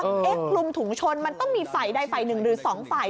เอ๊ะคลุมถุงชนมันต้องมีฝ่ายใดฝ่ายหนึ่งหรือสองฝ่าย